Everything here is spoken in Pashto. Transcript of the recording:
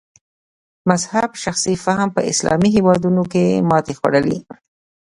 مذهب شخصي فهم په اسلامي هېوادونو کې ماتې خوړلې.